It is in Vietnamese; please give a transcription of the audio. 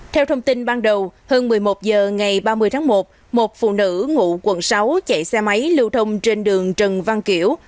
theo thông tin ban đầu hơn một mươi một h ngày ba mươi tháng một một phụ nữ ngụ quận sáu chạy xe máy lưu thông trên đường trần văn kiểu